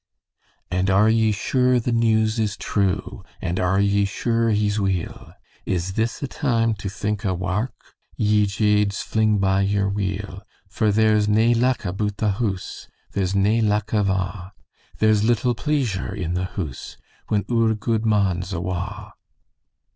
"And are ye sure the news is true? And are ye sure he's weel? Is this a time to think o' wark? Ye jades, fling by your wheel. "For there's nae luck aboot the hoose, There's nae luck ava, There's little pleesure in the hoose When oor gude man's awa."